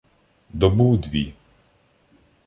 Добу, дві.